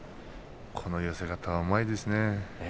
この寄せ方はうまいですね。